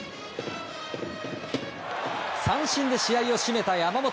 三振で試合を締めた山本。